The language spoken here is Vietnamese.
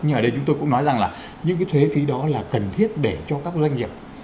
nhưng ở đây chúng tôi cũng nói rằng là những cái thuế phí đó là cần thiết để cho các doanh nghiệp